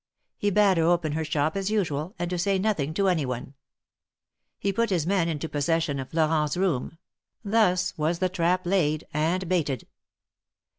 He bade her open her shop as usual, and to say nothing to any one. He put his men into possession of Florent's room. Thus was the trap laid and baited.